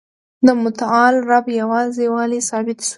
د متعال رب یوازي والی ثابت سو.